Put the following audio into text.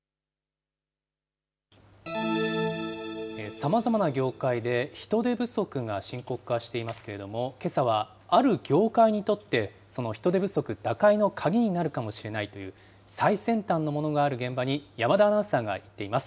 さまざまな業界で人手不足が深刻化していますけれども、けさはある業界にとって、その人手不足打開の鍵になるかもしれないという、最先端のものがある現場に山田アナウンサーが行っています。